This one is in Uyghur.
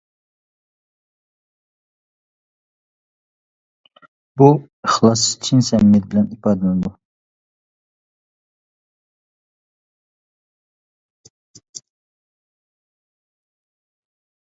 بۇ ئىخلاس چىن سەمىمىيەت بىلەن ئىپادىلىنىدۇ.